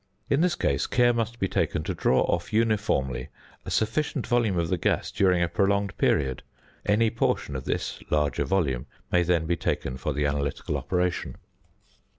In this case, care must be taken to draw off uniformly a sufficient volume of the gas during a prolonged period; any portion of this larger volume may then be taken for the analytical operation.